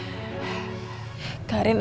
lagi lagi nenek ini yang gagalin rencanaku